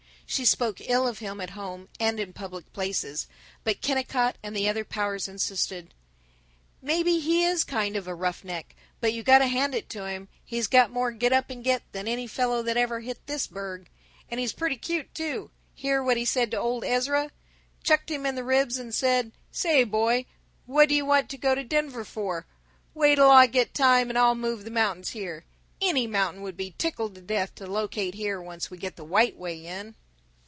She spoke ill of him at home and in public places, but Kennicott and the other powers insisted, "Maybe he is kind of a roughneck, but you got to hand it to him; he's got more git up and git than any fellow that ever hit this burg. And he's pretty cute, too. Hear what he said to old Ezra? Chucked him in the ribs and said, 'Say, boy, what do you want to go to Denver for? Wait 'll I get time and I'll move the mountains here. Any mountain will be tickled to death to locate here once we get the White Way in!'"